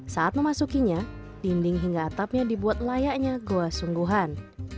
saat memasukinya dinding hingga atapnya dibuat layaknya goa sungguhan